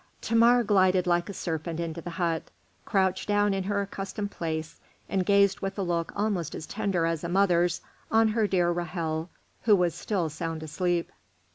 Thamar glided like a serpent into the hut, crouched down in her accustomed place, and gazed with a look almost as tender as a mother's on her dear Ra'hel, who was still sound asleep.